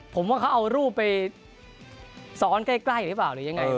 ผมว่าเขาเอารูปไปซ้อนใกล้หรือเปล่าหรือยังไง